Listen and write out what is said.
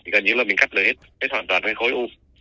gần như là mình cắt được hết hết hoàn toàn cái khối u